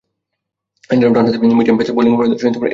এছাড়াও, ডানহাতে মিডিয়াম-পেস বোলিংয়ে পারদর্শী ছিলেন এরিক মার্ক্স।